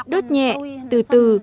đốt nhẹ từ từ